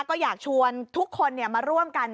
ก็อยากชวนทุกคนมาร่วมกัน